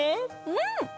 うん！